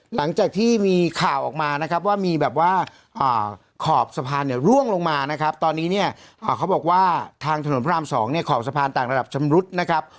หลังจากที่มีข่าวออกมานะครับว่ามีแบบว่าขอบสะพานเนี่ยร่วงลงมานะครับตอนนี้เนี่ยเขาบอกว่าทางถนนพระราม๒เนี่ยขอบสะพานต่างระดับชำรุดนะครับ